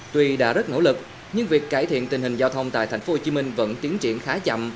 tuy đã rất nỗ lực nhưng việc cải thiện tình hình giao thông tại tp hcm vẫn tiến triển khá chậm